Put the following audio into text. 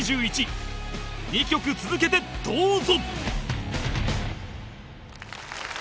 ２曲続けてどうぞ！